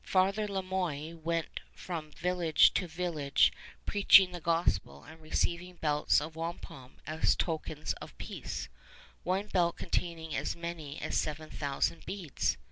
Father Le Moyne went from village to village preaching the gospel and receiving belts of wampum as tokens of peace one belt containing as many as seven thousand beads.